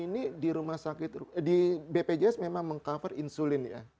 nah ini di bpjs memang meng cover insulin ya